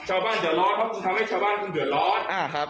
ชาวบ้านเดือดร้อนเพราะทำให้ชาวบ้านต้องเดือดร้อนอ่าครับ